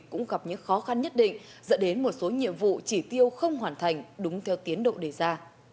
cũng gặp những khó khăn nhất định dẫn đến một số nhiệm vụ chỉ tiêu không hoàn thành đúng theo tiến độ đề ra